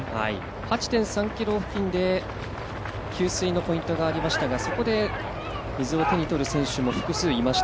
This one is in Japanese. ８．３ｋｍ付近で給水のポイントがありましたがそこで水を手に取る選手も複数いました。